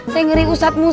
saya ngeri ustadzah muhtar